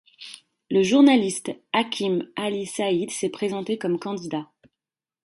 Le journaliste Hakim Ali Saïd s'est présenté comme candidat.